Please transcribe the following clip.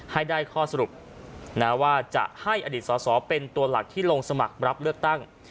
ให้ได้ข้อสรุปนะว่าจะให้อดีตสอสอเป็นตัวหลักที่ลงสมัครรับเลือกตั้ง